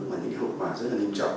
và những cái hậu quả rất là nghiêm trọng